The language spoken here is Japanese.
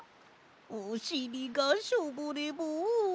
おしりがショボレボン。